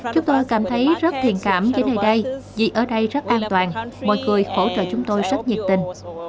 chúng tôi cảm thấy rất thiền cảm đến nơi đây vì ở đây rất an toàn mọi người hỗ trợ chúng tôi rất nhiệt tình